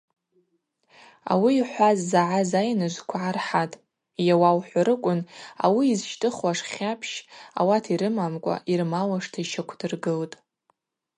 Ауи йхӏваз загӏаз айныжвква гӏархӏатӏ, йауа ухӏварыквын, ауи йзыщтӏыхуаш хьапщ ауат йрымамкӏва, йырмауашта йщаквдыргылтӏ.